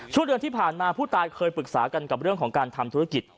ช่วงเดือนที่ผ่านมาผู้ตายเคยปรึกษากันกับเรื่องของการทำธุรกิจ